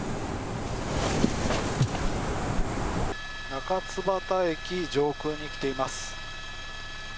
中津幡駅上空に来ています。